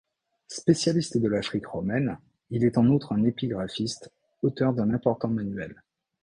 Spécialiste de l'Afrique romaine, il est en outre un épigraphiste, auteur d'un important manuel.